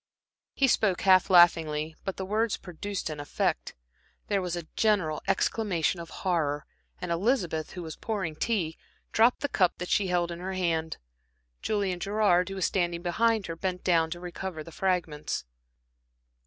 He spoke half laughingly, but the words produced an effect. There was a general exclamation of horror, and Elizabeth, who was pouring tea, dropped the cup that she held in her hand. Julian Gerard, who was standing behind her, bent down to recover the fragments.